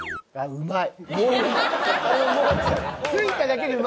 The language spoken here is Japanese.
うまい？